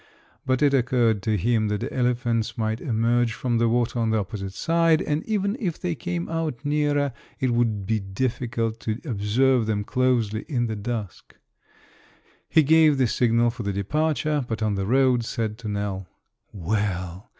But it occurred to him that the elephants might emerge from the water on the opposite side, and even if they came out nearer it would be difficult to observe them closely in the dusk. He gave the signal for the departure, but on the road said to Nell: "Well!